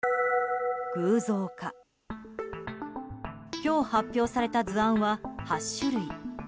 今日、発表された図案は８種類。